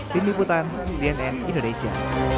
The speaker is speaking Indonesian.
tim liputan cnn indonesia